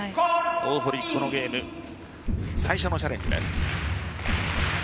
大堀、このゲーム最初のチャレンジです。